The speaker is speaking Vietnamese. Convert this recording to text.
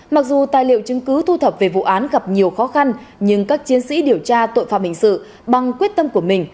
mặc dù tài liệu chứng cứ thu thập về vụ án gặp nhiều khó khăn nhưng các chiến sĩ điều tra tội phạm hình sự bằng quyết tâm của mình